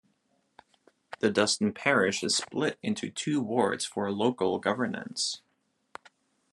The Duston parish is split into two wards for local governance.